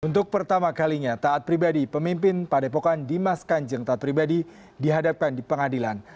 untuk pertama kalinya taat pribadi pemimpin pada epokan dimaskan jeng tat pribadi dihadapkan di pengadilan